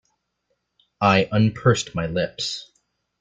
I unpursed my lips.